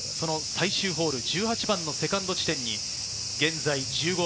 その最終ホール１８番のセカンド地点に現在−１５。